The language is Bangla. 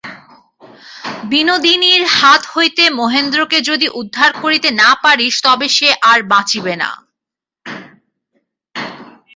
বিনোদিনীর হাত হইতে মহেন্দ্রকে যদি উদ্ধার করিতে না পারিস তবে সে আর বাঁচিবে না।